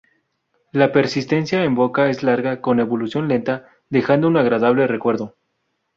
La persistencia en boca es larga con evolución lenta, dejando un agradable recuerdo.